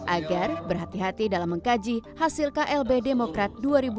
agar berhati hati dalam mengkaji hasil klb demokrat dua ribu dua puluh